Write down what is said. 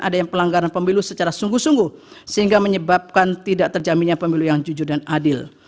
ada yang pelanggaran pemilu secara sungguh sungguh sehingga menyebabkan tidak terjaminnya pemilu yang jujur dan adil